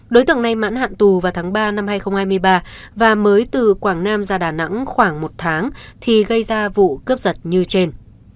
đối tượng này mãn hạn tù vào tháng ba năm hai nghìn hai mươi ba và mới từ quảng nam ra đà nẵng khoảng một tháng thì gây ra vụ cướp giật như trên